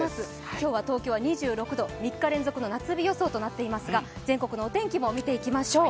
今日は東京は２６度、３日連続の夏日となりますが、全国のお天気も見ていきましょう。